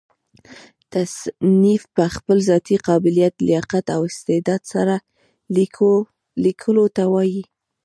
تصنیف په خپل ذاتي قابلیت، لیاقت او استعداد سره؛ ليکلو ته وايي.